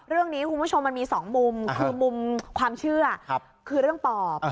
คุณผู้ชมมันมี๒มุมคือมุมความเชื่อคือเรื่องปอบ